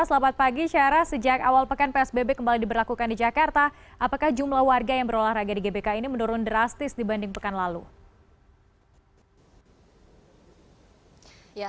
selamat pagi syara sejak awal pekan psbb kembali diberlakukan di jakarta apakah jumlah warga yang berolahraga di gbk ini menurun drastis dibanding pekan lalu